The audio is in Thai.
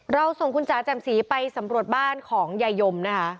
เราส่งคุณจ๋าแจ่มสีไปสำรวจบ้านของยายมนะคะ